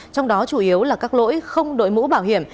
trong đó chủ yếu là các lỗi không đội mũ bảo hiểm